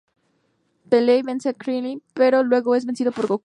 Pelea y vence a Krilin pero luego es vencido por Goku.